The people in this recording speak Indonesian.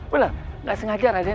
benar nggak sengaja raden